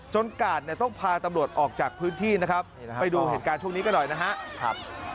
กาดเนี่ยต้องพาตำรวจออกจากพื้นที่นะครับไปดูเหตุการณ์ช่วงนี้กันหน่อยนะครับ